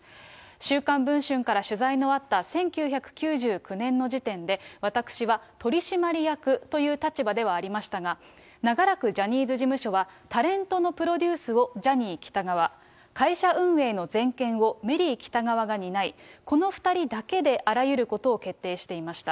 週刊文春から取材のあった１９９９年の時点で、私は取締役という立場ではありましたが、長らくジャニーズ事務所はタレントのプロデュースをジャニー喜多川、会社運営の全権をメリー喜多川が担い、この２人だけであらゆることを決定していました。